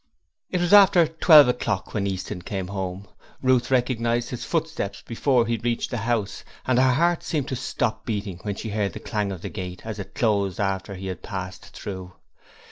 It was after twelve o'clock when Easton came home. Ruth recognized his footsteps before he reached the house, and her heart seemed to stop beating when she heard the clang of the gate, as it closed after he had passed through.